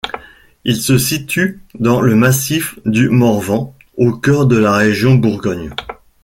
Ils se situent dans le massif du Morvan, au cœur de la région Bourgogne.